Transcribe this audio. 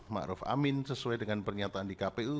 ⁇ ruf amin sesuai dengan pernyataan di kpu